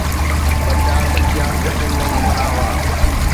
ٻه چار منشيات گهٽين ۾ گهمندا هئا